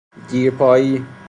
دیرپایی